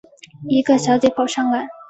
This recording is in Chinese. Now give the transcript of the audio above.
一个小姐跑上来